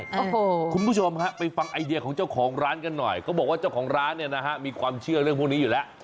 ทุกคนประชงไปฟังไอเดียของเจ้าของร้านกันหน่อยเค้าบอกว่าเจ้าของร้านมีความเชื่อเรื่องพวกนี้อยู่แล้ว